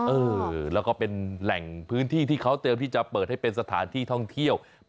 เอ้ยกางเกงขาสั้นค่ะร้อนเล่น